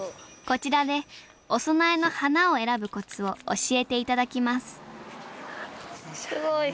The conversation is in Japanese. こちらでお供えの花を選ぶコツを教えて頂きますすごい。